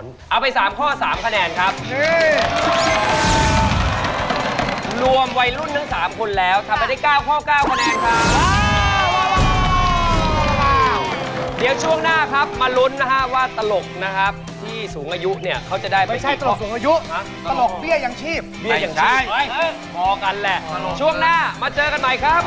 ในอายุตลกเบี้ยอย่างชีพไม่ใช่พอกันแหละช่วงหน้ามาเจอกันใหม่ครับ